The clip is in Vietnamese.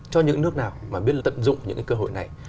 cho những nước nào mà biết tận dụng những cái cơ hội này